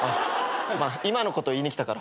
まあ今のこと言いに来たから。